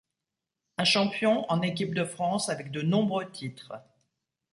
Un champion en Équipe de France avec de nombreux titres.